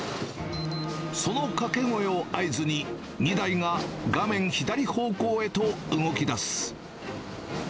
その掛け声を合図に、２台が画面左方向へと動きだす。